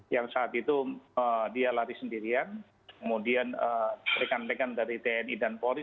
yang saat itu dia lari sendirian kemudian rekan rekan dari tni dan polri